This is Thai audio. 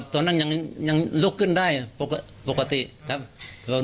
ตอนนั้นยังลุกขึ้นได้ปกติครับ